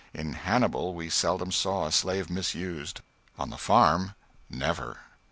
In Hannibal we seldom saw a slave misused; on the farm, never.